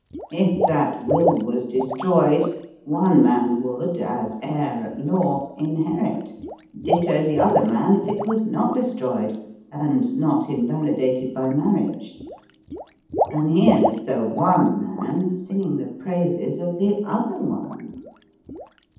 If that will was destroyed, one man would, as heir at law, inherit; ditto the other man if it was not destroyed and not invalidated by marriage. And here's the 'one' man singing the praises of the 'other' one!"